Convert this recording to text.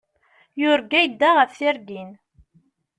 Yurga yedda ɣef tirgin.